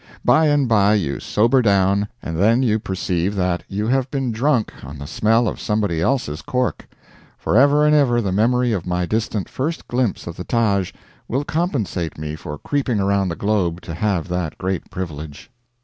By and by you sober down, and then you perceive that you have been drunk on the smell of somebody else's cork. For ever and ever the memory of my distant first glimpse of the Taj will compensate me for creeping around the globe to have that great privilege.